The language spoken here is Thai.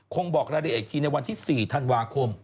คงบอกแล้วได้อีกทีในวันที่สี่ธั่นวาคม